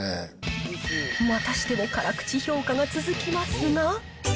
またしても辛口評価が続きますが。